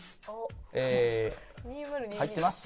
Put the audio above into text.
えー入ってます。